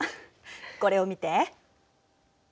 これを見て。